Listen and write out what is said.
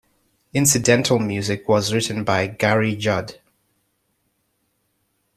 Incidental music was written by Garry Judd.